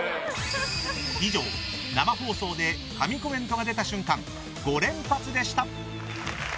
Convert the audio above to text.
以上、生放送で神コメントが出た瞬間５連発でした。